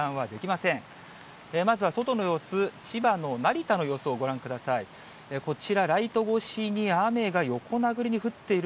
まずは外の様子、千葉の成田の様子をご覧ください。